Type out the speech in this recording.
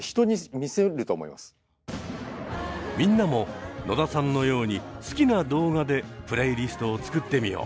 みんなも野田さんのように好きな動画でプレイリストを作ってみよう。